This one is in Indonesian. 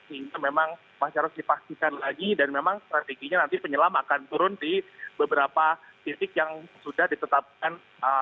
sehingga memang masih harus dipastikan lagi dan memang strateginya nanti penyelam akan turun di beberapa titik yang sudah ditetapkan